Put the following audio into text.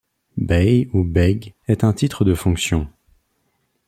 Bey ou Beg est un titre de fonction.